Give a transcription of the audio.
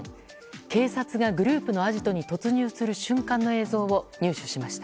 警察がグループのアジトに突入する瞬間の映像を入手しました。